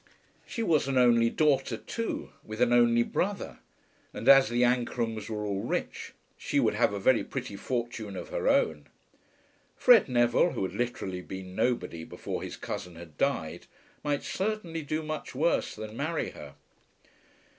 She was an only daughter, too, with an only brother; and as the Ancrums were all rich, she would have a very pretty fortune of her own. Fred Neville, who had literally been nobody before his cousin had died, might certainly do much worse than marry her.